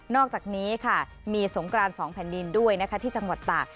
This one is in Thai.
อกจากนี้ค่ะมีสงกราน๒แผ่นดินด้วยนะคะที่จังหวัดตาก